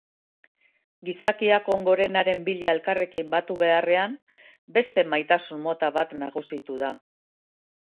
Gizakiak on gorenaren bila elkarrekin batu beharrean, beste maitasun-mota bat nagusitu da.